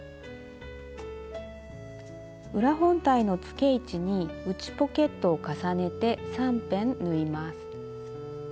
裏本体のつけ位置に内ポケットを重ねて３辺縫います。